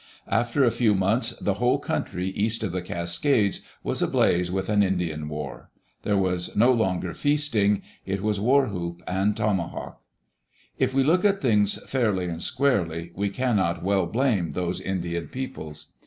After a few months, the whole country east of the Cascades was ablaze with an Indian war. There was no longer feasting — it was war whoop and tomahawk. If we look at things fairly and squarely, we cannot well blame those Indian peoples.